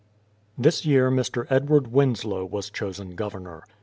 This year Mr. Edward Winslow was chosen governor.